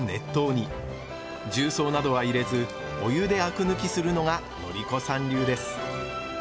重曹などは入れずお湯であく抜きするのがのり子さん流です。